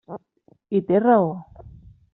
I té raó.